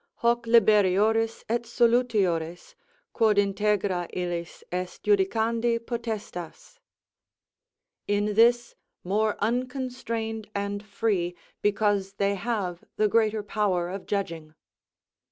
hoc liberiores et solutiores, quod integra illis est judicandi potestas: "in this more unconstrained and free, because they have the greater power of judging."